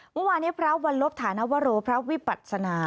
เมื่อวานนี้พระวันลบฐานวโรพระวิปัศนา